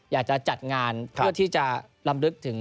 อยากจะจัดงานเพื่อที่จะลำลึกถึง